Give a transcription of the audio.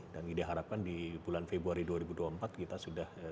dan kita harapkan di bulan februari dua ribu dua puluh empat kita sudah